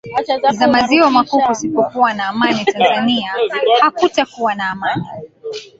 za maziwa makuu kusipokuwa na amani tanzania hakutakuwa na amani